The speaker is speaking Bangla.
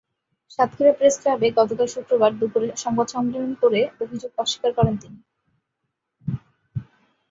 সাতক্ষীরা প্রেসক্লাবে গতকাল শুক্রবার দুপুরে সংবাদ সম্মেলন করে অভিযোগ অস্বীকার করেন তিনি।